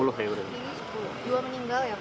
di luar pelaku